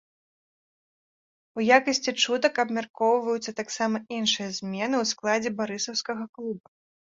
У якасці чутак абмяркоўваюцца таксама іншыя змены ў складзе барысаўскага клуба.